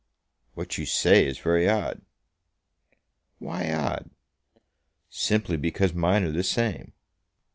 "What you say is very odd." "Why odd?" "Simply because mine are the same."